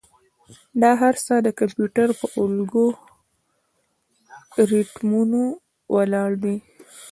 دا هر څه د کمپیوټر پر الگوریتمونو ولاړ دي.